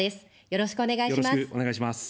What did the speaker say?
よろしくお願いします。